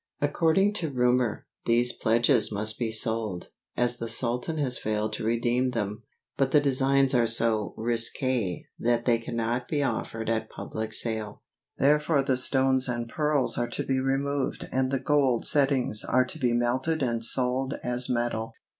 According to rumor, these pledges must be sold, as the sultan has failed to redeem them, but the designs are so risqué that they cannot be offered at public sale; therefore the stones and pearls are to be removed and the gold settings are to be melted and sold as metal.